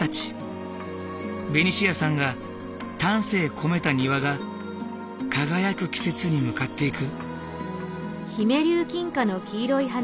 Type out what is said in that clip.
ベニシアさんが丹精込めた庭が輝く季節に向かっていく。